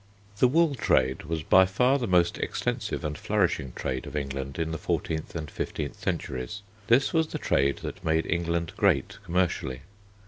The wool trade was by far the most extensive and flourishing trade of England in the fourteenth and fifteenth centuries. This was the trade that made England great commercially.